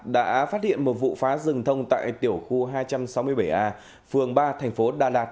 đã phát hiện một vụ phá rừng thông tại tiểu khu hai trăm sáu mươi bảy a phường ba thành phố đà lạt